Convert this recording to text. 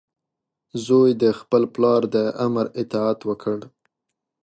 زوی د خپل پلار د امر اطاعت وکړ.